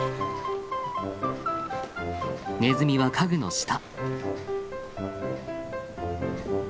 ネズミは家具の下。